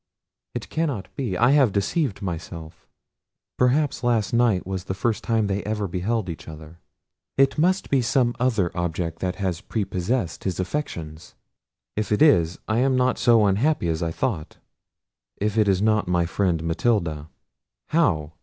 It cannot be; I have deceived myself; perhaps last night was the first time they ever beheld each other; it must be some other object that has prepossessed his affections—if it is, I am not so unhappy as I thought; if it is not my friend Matilda—how!